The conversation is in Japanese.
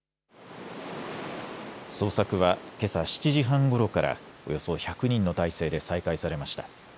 捜索はけさ７時半ごろからおよそ１００人の態勢で再開されました。